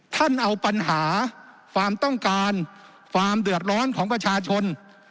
ท่านเอาปัญหาความต้องการความเดือดร้อนของประชาชน